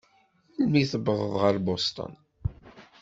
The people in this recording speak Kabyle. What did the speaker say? Melmi tewwḍeḍ ɣer Boston?